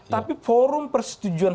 tapi forum persetujuan